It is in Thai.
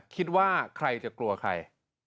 คิดว่าใครจะกลัวใคร